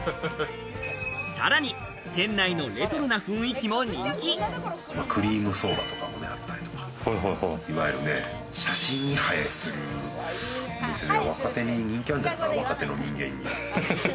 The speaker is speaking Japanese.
さらに店内のレトロな雰囲気クリームソーダとかもあったりとか写真に映えするお店、若手に人気あるんじゃ、若手の人間に。